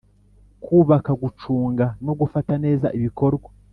kubaka gucunga no gufata neza ibikorwa.